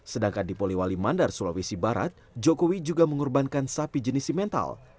sedangkan di poliwali mandar sulawesi barat jokowi juga mengorbankan sapi jenis simental